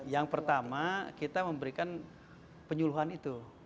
yang pertama kita memberikan penyuluhan itu